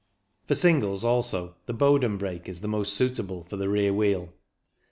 For singles also the Bowden brake is the most suitable for the rear wheel.